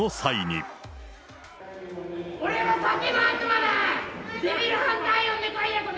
俺は酒の悪魔だ！